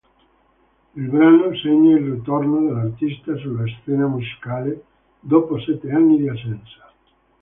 Il brano segna il ritorno dell'artista sulla scena musicale dopo sette anni di assenza.